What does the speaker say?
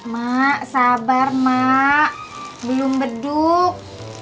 mak sabar mak belum beduk